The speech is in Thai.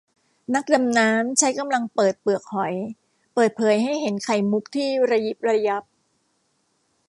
นักดำน้ำใช้กำลังเปิดเปลือกหอย เปิดเผยให้เห็นไข่มุกที่ระยิบระยับ